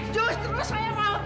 justru saya mau bunuh kamu